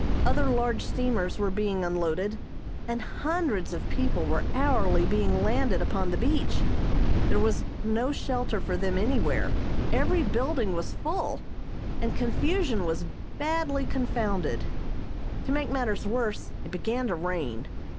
Other large steamers were being unloaded, and hundreds of people were hourly being landed upon the beach. There was no shelter for them anywhere, every building was full, and confusion was badly confounded. To make matters worse it began to rain.